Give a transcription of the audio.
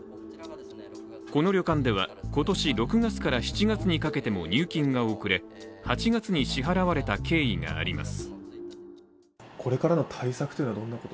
この旅館では、今年６月から７月にかけても入金が遅れ８月に支払われた経緯があります。